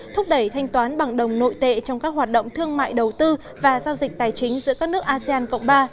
thúc đẩy thanh toán bằng đồng nội tệ trong các hoạt động thương mại đầu tư và giao dịch tài chính giữa các nước asean cộng ba